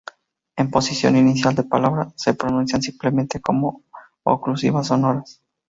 En posición inicial de palabra, se pronuncian simplemente como oclusivas sonoras.